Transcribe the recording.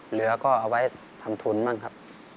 เหลือก็เอาไว้ทำทุนบ้างครับ